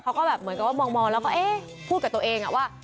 เขาก็แบบเหมือนกับว่ามองแล้วก็เอ๊ะพูดกับตัวเองว่า